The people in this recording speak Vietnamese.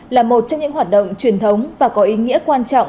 là một trong những hoạt động truyền thống và có ý nghĩa quan trọng